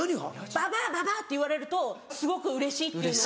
ババアババアって言われるとすごくうれしいっていうのを。